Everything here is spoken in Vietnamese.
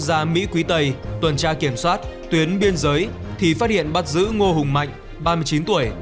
gia mỹ quý tây tuần tra kiểm soát tuyến biên giới thì phát hiện bắt giữ ngô hùng mạnh ba mươi chín tuổi